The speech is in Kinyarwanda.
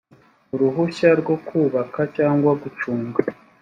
uruhushya rwo kubaka cyangwa gucunga